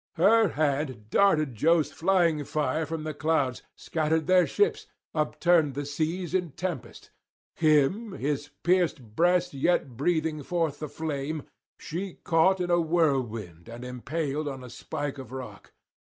Her hand darted Jove's flying fire from the clouds, scattered their ships, upturned the seas in tempest; him, his pierced breast yet breathing forth the flame, she caught in a whirlwind and impaled on a spike of rock.